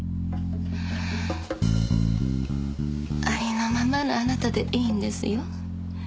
ありのままのあなたでいいんですよ。